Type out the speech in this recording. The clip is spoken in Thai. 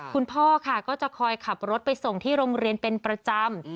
คุณพ่อค่ะก็จะคอยขับรถไปส่งที่โรงเรียนเป็นประจำ